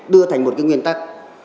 đưa thành một cái nguyên tắc